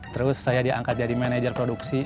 terus saya diangkat jadi manajer produksi